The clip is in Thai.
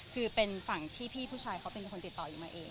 คือเป็นฝั่งที่พี่ผู้ชายเขาเป็นคนติดต่ออยู่มาเอง